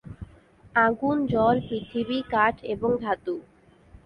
আগুন, জল, পৃথিবী, কাঠ এবং ধাতু!